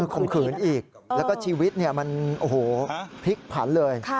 ขุมขืนอีกแล้วก็ชีวิตมันพลิกผลันเลย